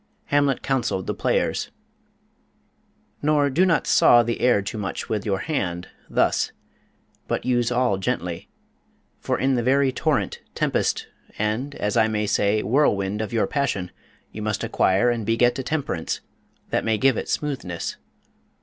Hamlet counseled the players: Nor do not saw the air too much with your hand, thus; but use all gently; for in the very torrent, tempest, and (as I may say) whirlwind of your passion, you must acquire and beget a temperance, that may give it smoothness.